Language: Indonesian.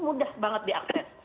mudah banget diakses